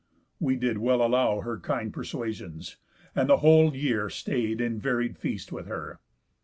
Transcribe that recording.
We did well allow Her kind persuasions, and the whole year stay'd In varied feast with her.